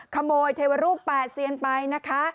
ขโมยเทวรูป๘เซียนไปนะคะ